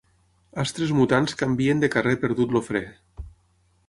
Astres mutants canvien de carrer perdut el fre.